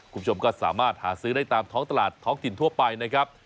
คุณผู้ชมก็สามารถหาซื้อได้ตามท้องตลาดท้องถิ่นทั่วไปนะครับ